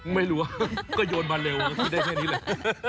ไม่รู้ว่าก็โยนมาเร็วก็คิดได้แค่นี้แหละ